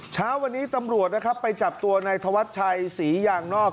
เช้าวันนี้ตำรวจนะครับไปจับตัวในธวัดชัยศรียางนอก